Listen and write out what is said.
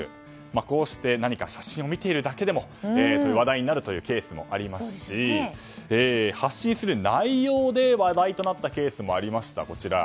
こうして写真を見ているだけでも話題になるというケースもありますし発信する内容で話題となったケースもありました。